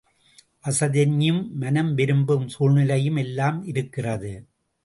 வசதியும் மனம் விரும்பும் சூழ்நிலையும் எல்லாம் இருக்கிறது.